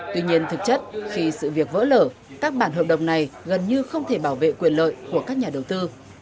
tuy nhiên thực chất khi sự việc vỡ lở các bản hợp đồng này gần như không thể bảo vệ quyền lợi của các nhà đầu tư